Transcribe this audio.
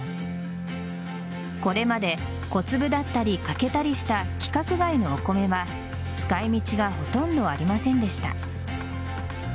これまで小粒だったり欠けたりした規格外のお米は使い道がほとんどありませんでした。